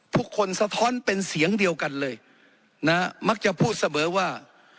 สะท้อนเป็นเสียงเดียวกันเลยนะฮะมักจะพูดเสมอว่า